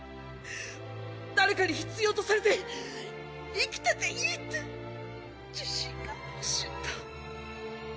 誰かに必要とされて生きてていいって自信が欲しいんだ。